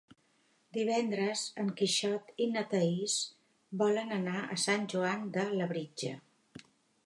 Divendres en Quixot i na Thaís volen anar a Sant Joan de Labritja.